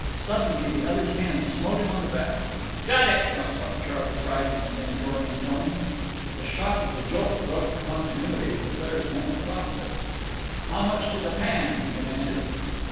Suddenly the other's hand smote him on the back. "Got it!" Mucluc Charley cried in stentorian tones. The shock of the jolt broke the continuity of Leclaire's mental process. "How much to the pan?" he demanded.